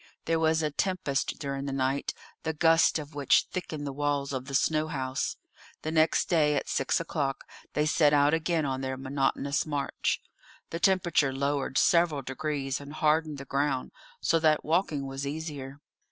There was a tempest during the night, the gusts of which thickened the walls of the snow house. The next day, at six o'clock, they set out again on their monotonous march. The temperature lowered several degrees, and hardened the ground so that walking was easier.